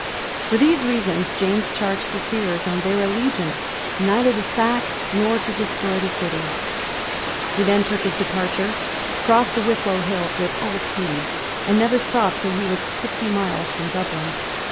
For these reasons James charged his hearers on their allegiance neither to sack nor to destroy the city, He then took his departure, crossed the Wicklow hills with all speed, and never stopped till he was fifty miles from Dublin.